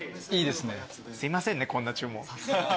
すいませんねこんな注文。